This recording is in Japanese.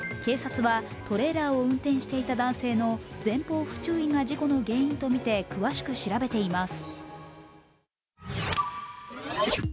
警察は、トレーラーを運転していた男性の前方不注意が事故の原因とみて詳しく調べています。